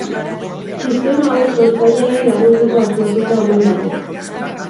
Sistema hau sortzaileei laguntzeko asmatuta omen dago.